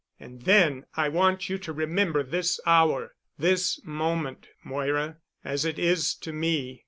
And then I want you to remember this hour, this moment, Moira, as it is to me....